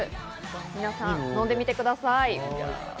皆さん飲んでみてください。